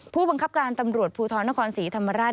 ผู้บังคับการตำรวจภูทรนครศรีธรรมราช